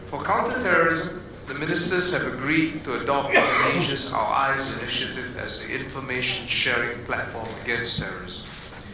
untuk terorisme para menteri pertahanan sengaja telah bersetuju untuk menggunakan inisiatif our eyes di indonesia sebagai platform bagi berbagi informasi terhadap terorisme